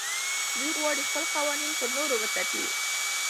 دوی غواړي خپل قوانین پر نورو وتپي.